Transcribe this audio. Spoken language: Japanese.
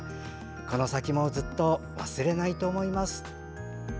この先もずっと忘れないと思います。